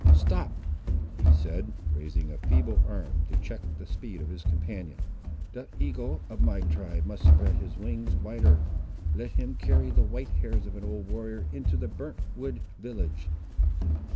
"Stop," he said, raising a feeble arm to check the speed of his companion; "the Eagle of my tribe must spread his wings wider. Let him carry the white hairs of an old warrior into the burnt wood village!"